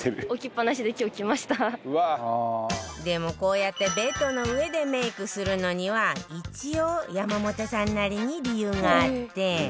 でもこうやってベッドの上でメイクするのには一応山本さんなりに理由があって